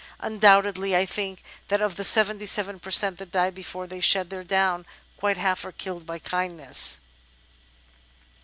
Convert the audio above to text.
Undoubtedly, I think that of the 77 per cent, that die before they shed their down, quite half are killed by kindness."